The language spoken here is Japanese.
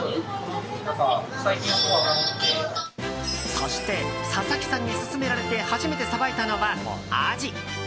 そして佐々木さんに勧められて初めてさばいたのは、アジ。